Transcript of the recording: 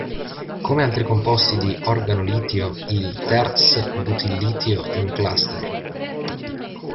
Come altri composti di organo-litio, il "terz"-butillitio è un "cluster".